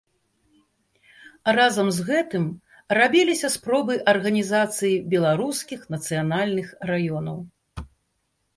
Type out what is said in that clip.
Разам з гэтым рабіліся спробы арганізацыі беларускіх нацыянальных раёнаў.